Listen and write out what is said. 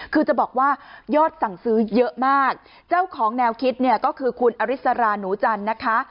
คือจะบอกว่ายอดสั่งซื้อเยอะมากเจ้าของแนวคิดเนี่ยก็คือคุณอริสราหนูจันทร์นะคะ